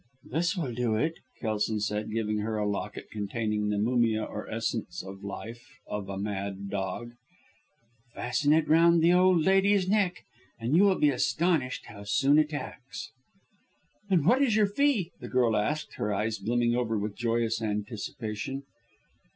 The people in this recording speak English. "This will do it," Kelson said, giving her a locket containing the mumia or essence of life of a mad dog; "fasten it round the old lady's neck, and you will be astonished how soon it acts." "And what is your fee?" the girl asked, her eyes brimming over with joyous anticipation.